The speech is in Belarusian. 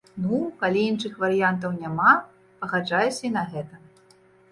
Ну, калі іншых варыянтаў няма, пагаджаюся і на гэта.